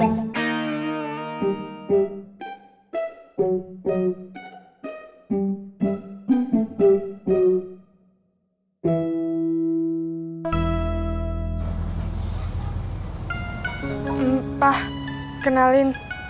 ya udah berhasil